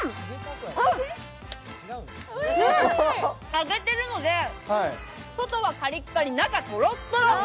揚げてるので、外はカリッカリ、中はとろっとろ。